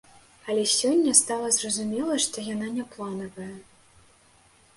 Але сёння стала зразумела, што яна не планавая.